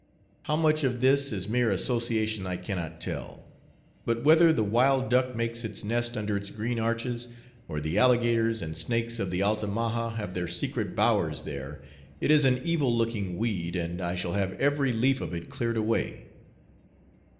How much of this is mere association I cannot tell; but whether the wild duck makes its nest under its green arches, or the alligators and snakes of the Altamaha have their secret bowers there, it is an evil looking weed, and I shall have every leaf of it cleared away.